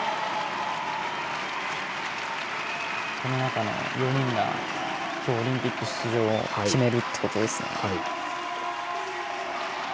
この中の４人が今日、オリンピック出場を決めるってことですね。